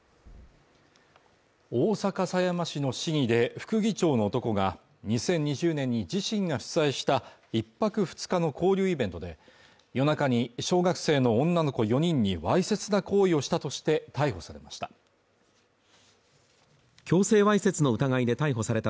大阪狭山市の市議で副議長の男が２０２０年に自身が主催した１泊２日の交流イベントで夜中に小学生の女の子４人にわいせつな行為をしたとして逮捕されました